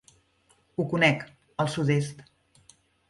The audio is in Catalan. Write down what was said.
Ho conec, al sud-est.